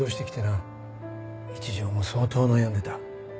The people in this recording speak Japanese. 一条も相当悩んでた。